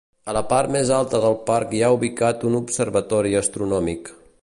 A la part més alta del parc hi ha ubicat un observatori astronòmic.